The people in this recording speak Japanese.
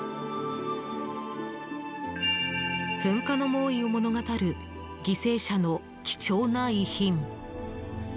噴火の猛威を物語る犠牲者の貴重な遺品。